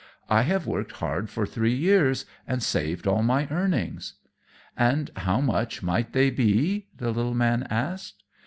I have worked hard for three years, and saved all my earnings." "And how much might they be?" the little man asked.